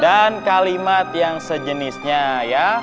dan kalimat yang sejenisnya